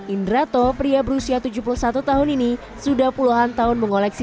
indrato pria berusia tujuh puluh satu tahun ini sudah puluhan tahun mengoleksi